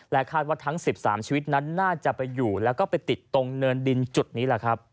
คาดว่าทั้ง๑๓ชีวิตนั้นน่าจะไปอยู่แล้วก็ไปติดตรงเนินดินจุดนี้แหละครับ